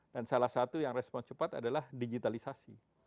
dan salah satu yang respons cepat adalah digitalisasi